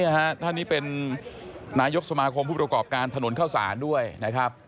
ท่านนี้เป็นนายกสมาคมผู้ประกอบการถนนเข้าสารด้วยนะครับ